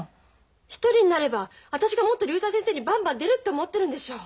１人になれば私がもっと竜太先生にバンバン出るって思ってるんでしょ。